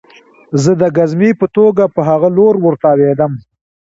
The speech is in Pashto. زه د ګزمې په توګه په هغه لور ورتاوېدم